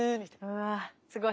うわすごい。